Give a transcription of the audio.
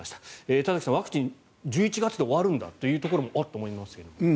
田崎さん、ワクチン１１月で終わるんだというところもあれ？と思いますけども。